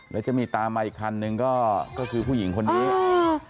แล้วจะมีตามมาอีกคันหนึ่งก็คือผู้หญิงคนนี้อ่า